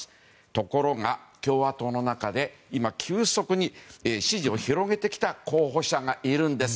ところが、共和党の中で今、急速に支持を広げてきた候補者がいるんです。